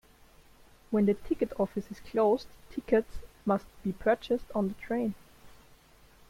When the ticket office is closed, tickets must be purchased on the train.